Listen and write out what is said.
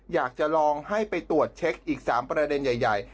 อยากจะลองให้ไปตรวจเช็คอีก๓ประเด็นใหญ่